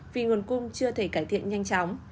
vì nguồn cung chưa thể cải thiện nhanh chóng